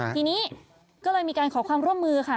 ทีนี้ก็เลยมีการขอความร่วมมือค่ะ